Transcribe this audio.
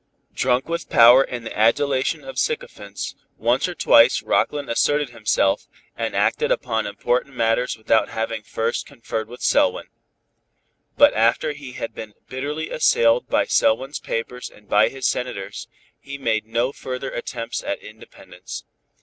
Drunk with power and the adulation of sycophants, once or twice Rockland asserted himself, and acted upon important matters without having first conferred with Selwyn. But, after he had been bitterly assailed by Selwyn's papers and by his senators, he made no further attempts at independence.